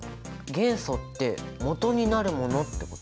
元素ってもとになるものってこと？